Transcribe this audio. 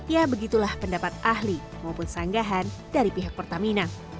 ya begitulah pendapat ahli maupun sanggahan dari pihak pertamina